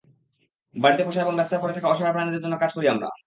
বাড়িতে পোষা এবং রাস্তায় পড়ে থাকা অসহায় প্রাণীদের জন্য কাজ করি আমরা।